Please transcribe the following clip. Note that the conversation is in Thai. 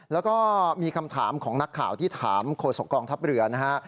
แล้วก็มีคำถามของนักข่าวที่ถามโฆษกองทัพเรือนะฮะ